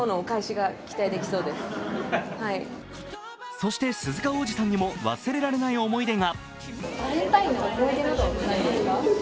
そして鈴鹿央士さんにも忘れられない思い出が。